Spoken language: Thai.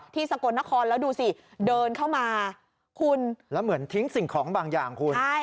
สกลนครแล้วดูสิเดินเข้ามาคุณแล้วเหมือนทิ้งสิ่งของบางอย่างคุณใช่